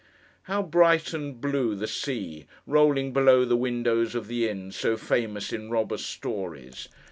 How blue and bright the sea, rolling below the windows of the inn so famous in robber stories!